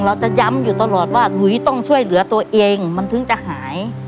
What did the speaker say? เราจะย้ำอยู่ตลอดว่าหลุยต้องช่วยเหลือตัวเองมันถึงจะหาย